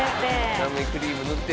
断面クリーム塗って。